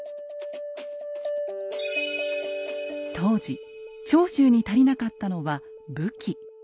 当時長州に足りなかったのは武器。